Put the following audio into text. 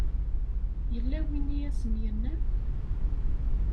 Yella win i asen-yennan?